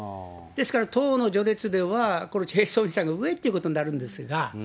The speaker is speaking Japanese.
ですから党の序列では、このチェ・ソニさんが上っていうことになるんですが、